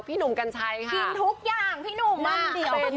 หนุ่มกัญชัยค่ะกินทุกอย่างพี่หนุ่มมั่นเดียว